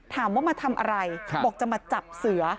ถามว่ามาทำอะไรบอกจะมาจับเสือ